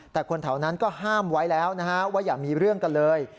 แต่คนแถวนั้นก็ห้ามไว้แล้วนะฮะว่าอย่ามีเรื่องกันเลย